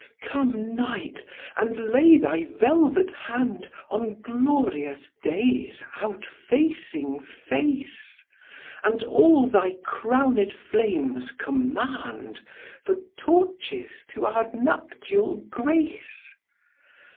Come, Night, and lay thy velvet hand On glorious Day's outfacing face; And all thy crowned flames command, For torches to our nuptial grace!